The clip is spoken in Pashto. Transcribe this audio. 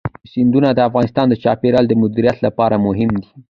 سیندونه د افغانستان د چاپیریال د مدیریت لپاره مهم دي.